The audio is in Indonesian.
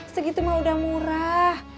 segitu mah udah murah